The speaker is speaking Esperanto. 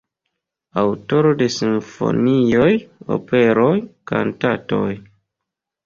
Aŭtoro de simfonioj, operoj, kantatoj.